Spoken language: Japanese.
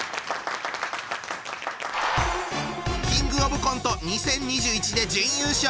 キングオブコント２０２１で準優勝。